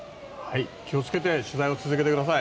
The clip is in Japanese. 気を付けて取材を続けてください。